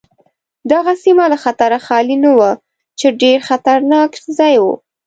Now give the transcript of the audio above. دغه سیمه له خطره خالي نه وه چې ډېر خطرناک ځای و.